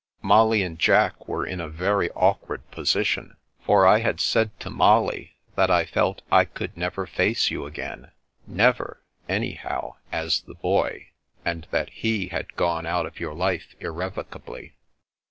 " Molly and Jack were in a very awkward position : for I had said to Molly that I felt I could never face you again — never, anyhow, as the Boy, and that he had gone out of your life irrevocably.